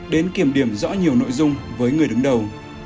đến kiểm điểm rõ nhiều nội dung với người đứng đầu